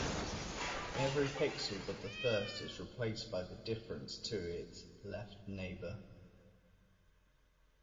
Every pixel but the first is replaced by the difference to its left neighbor.